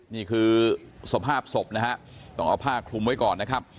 นี่คือสภาพศพนะฮะต้องเอาผ้าคลุมไว้ก่อนนะครับ